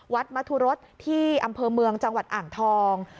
มธุรสที่อำเภอเมืองจังหวัดอ่างทอง